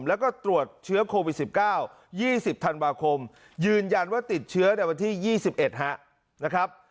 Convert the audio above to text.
แล้วก็ตรวจเชื้อโควิด๑๙๒๐ธันวาคมยืนยันว่าติดเชื้อในวันที่๒๑นะครับ